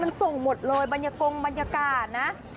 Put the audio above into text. มันส่งหมดเลยบรรยากาศนะ